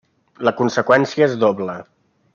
La conseqüència és doble.